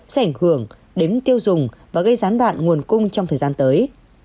sẽ ảnh hưởng đến tiêu dùng và gây gián đoạn nguồn cung trong thời gian tới